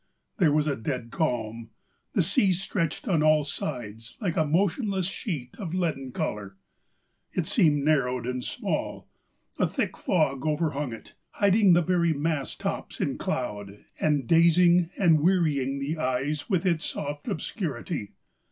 There was a dead calm. The sea stretched on all sides like a motionless sheet of leaden colour. It seemed narrowed and small ; a thick fog overhung it, hiding the very mast tops in 317 POEMS IN PROSE cloud, and dazing and wearying the eyes with its soft obscurity.